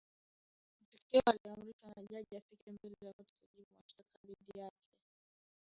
Mshukiwa aliamrishwa na jaji afike mbele ya korti kujibu mashtaka dhidi yake.